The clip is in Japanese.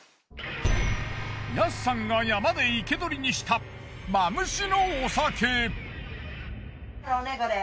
ヤスさんが山で生け捕りにしたマムシのお酒。